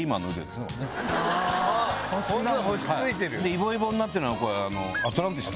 イボイボになってるのが。